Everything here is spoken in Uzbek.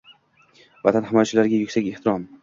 Vatan himoyachilariga yuksak ehtirom